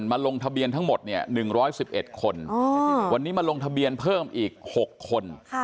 ลงทะเบียนทั้งหมด๑๑๑คนวันนี้มาลงทะเบียนเพิ่มอีก๖คน